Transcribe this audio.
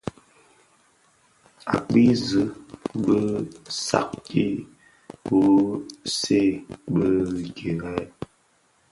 Å kpii zig bi nsàdki wu ctsee (bi kirèè).